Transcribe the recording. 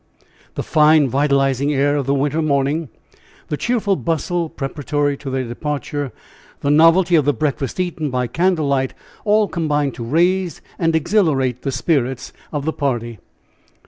The fine, vitalizing air of the winter morning, the cheerful bustle preparatory to their departure, the novelty of the breakfast eaten by candle light, all combined to raise and exhilarate the spirits of the party.